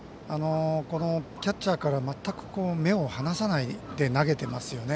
キャッチャーから全く目を離さないで投げていますよね。